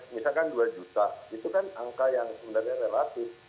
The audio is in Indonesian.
misalkan dua juta itu kan angka yang sebenarnya relatif